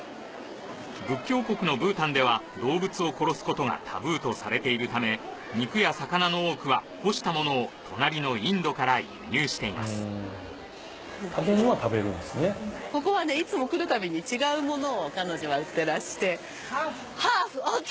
仏教国のブータンでは動物を殺すことがタブーとされているため肉や魚の多くは干したものを隣のインドから輸入していますＨａｌｆ？ＨａｌｆＯＫ！